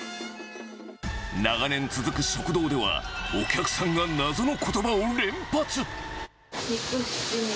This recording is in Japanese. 長年続く食堂では、お客さんが謎のことばを連発。